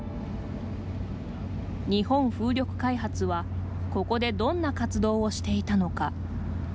日本風力開発は、ここでどんな活動をしていたのか。